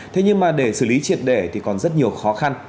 thế nhưng mà để xử lý triệt đề thì còn rất nhiều khó khăn